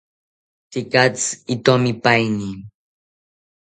Tekatzi itomipaeni